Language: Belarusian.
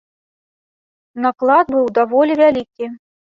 Наклад быў даволі вялікі.